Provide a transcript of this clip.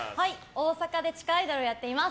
大阪で地下アイドルをやっています。